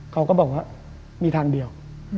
เขาก็บอกว่ามีทางเดียว